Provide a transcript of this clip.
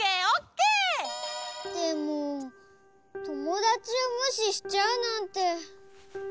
でもともだちをむししちゃうなんて。